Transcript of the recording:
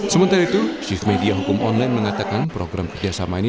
sementara itu media hukum online mengatakan program kerjasama ini